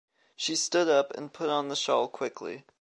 She stood up and put on the shawl quickly.